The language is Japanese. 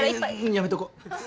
やめとこう。